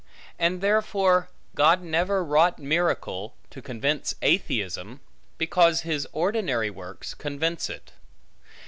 And therefore, God never wrought miracle, to convince atheism, because his ordinary works convince it.